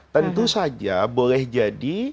tentu saja boleh jadi